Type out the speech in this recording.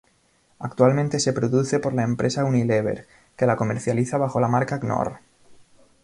Actualmente se produce por la empresa Unilever que la comercializa bajo la marca Knorr.